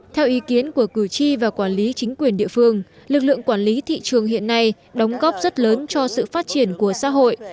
theo ý kiến của cử tri và quản lý chính quyền địa phương lực lượng quản lý thị trường hiện nay đóng góp rất lớn cho sự phát triển của xã hội